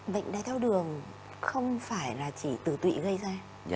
bệnh đái tháo đường không phải là chỉ từ tụy gây ra